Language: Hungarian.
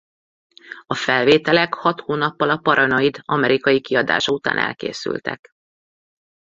A felvételek hat hónappal a Paranoid amerikai kiadása után elkészültek.